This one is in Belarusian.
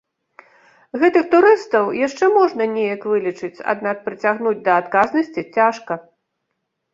Гэтых турыстаў яшчэ можна неяк вылічыць, аднак прыцягнуць да адказнасці цяжка.